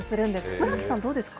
村木さん、どうですか。